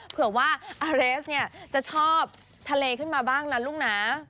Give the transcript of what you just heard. เผื่อว่าเอรสจะชอบทะเลขึ้นมาบ้างละลูกน้า